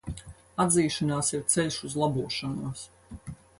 Atzīšanās ir ceļš uz labošanos.